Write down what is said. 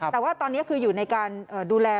แต่ว่าตอนนี้คืออยู่ในการดูแล